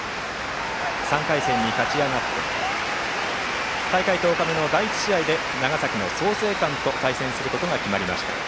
３回戦に勝ち上がって大会１０日目の第１試合で長崎の創成館と対戦することが決まりました。